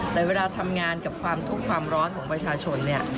แต่เวลาทำงานกับความทุกข์ความร้อนของประชาชนเนี่ย